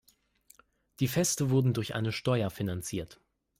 Die Feste wurden durch eine Steuer finanziert.